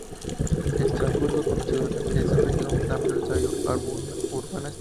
Estrasburgo conoció durante ese periodo un amplio desarrollo urbanístico y cultural.